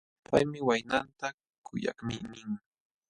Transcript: Paymi waynanta: kuyakmi nin.